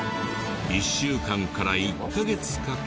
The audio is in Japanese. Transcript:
１週間から１カ月かけ。